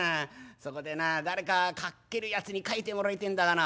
そこでな誰か書けるやつに書いてもらいてえんだがな」。